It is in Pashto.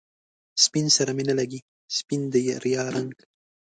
سپين سره می نه لګي، سپین دی د ریا رنګ